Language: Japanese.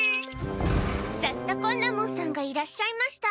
雑渡昆奈門さんがいらっしゃいました。